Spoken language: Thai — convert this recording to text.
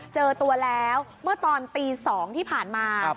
เจอตัวแล้วเมื่อตอนตี๒ที่ผ่านมา